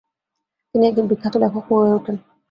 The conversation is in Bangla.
তিনি একজন বিখ্যাত লেখকও হয়ে ওঠেন।